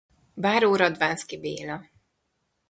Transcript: Radvánszky Béla br.